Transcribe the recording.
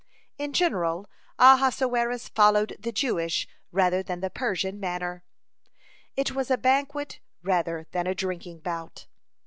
In general, Ahasuerus followed the Jewish rather than the Persian manner. It was a banquet rather than a drinking bout.